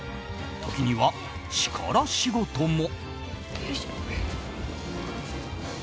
時には力仕事も。